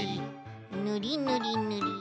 ぬりぬりぬり。